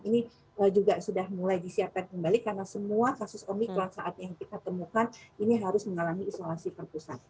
ini juga sudah mulai disiapkan kembali karena semua kasus omikron saat yang kita temukan ini harus mengalami isolasi terpusat